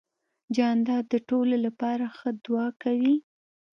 جانداد د ټولو لپاره ښه دعا کوي.